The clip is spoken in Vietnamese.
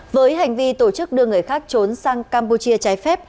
với hành vi tổ chức đưa người khác trốn sang campuchia trái phép